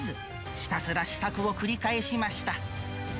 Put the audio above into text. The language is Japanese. ひたすら試作を繰り返しました。